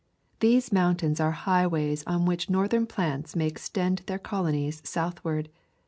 These mountains are high ways on which northern plants may extend their colonies southward.